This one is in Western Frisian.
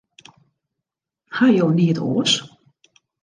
Ha jo neat oars?